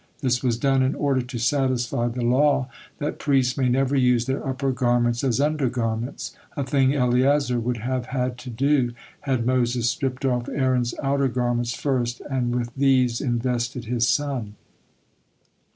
This was done in order to satisfy the law that priests may never use their upper garments as undergarments, a thing Eleazar would have had to do, had Moses stripped off Aaron's outer garments first and with these invested his son.